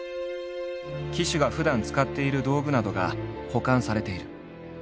騎手がふだん使っている道具などが保管されている。